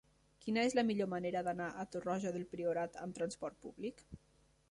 Quina és la millor manera d'anar a Torroja del Priorat amb trasport públic?